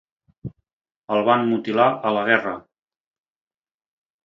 El van mutilar a la guerra.